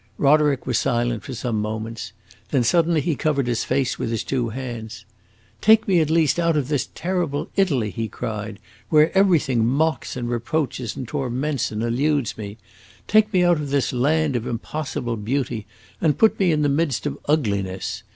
Roderick was silent for some moments; then, suddenly, he covered his face with his two hands. "Take me at least out of this terrible Italy," he cried, "where everything mocks and reproaches and torments and eludes me! Take me out of this land of impossible beauty and put me in the midst of ugliness.